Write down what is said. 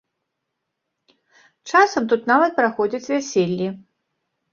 Часам тут нават праходзяць вяселлі.